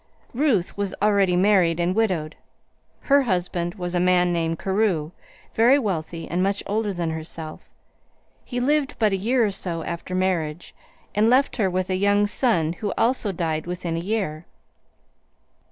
Ruth was already married and widowed. Her husband was a man named Carew, very wealthy, and much older than herself. He lived but a year or so after marriage, and left her with a young son who also died within a year.